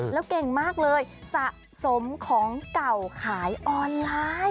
แล้วเก่งมากเลยสะสมของเก่าขายออนไลน์